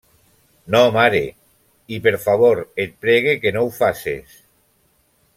No, mare. I, per favor, et pregue que no ho faces.